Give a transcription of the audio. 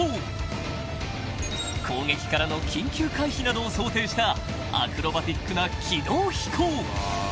［攻撃からの緊急回避などを想定したアクロバティックな］